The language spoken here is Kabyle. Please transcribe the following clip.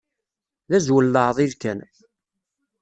D azwel n leɛḍil kan.